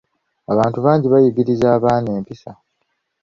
Abantu bangi bayigiriza abaana empisa.